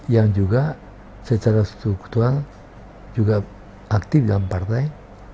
yang juga secara struktural juga aktif dalam partai